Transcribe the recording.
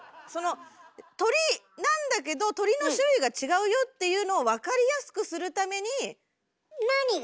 鳥なんだけど鳥の種類が違うよっていうのを分かりやすくするために。